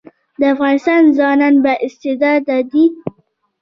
د افغانستان ځوانان با استعداده دي